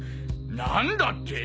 何だって！？